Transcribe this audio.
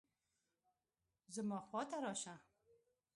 زما خوا ته راشه